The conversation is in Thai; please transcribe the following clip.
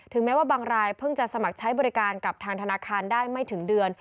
แม้ว่าบางรายเพิ่งจะสมัครใช้บริการกับทางธนาคารได้ไม่ถึงเดือน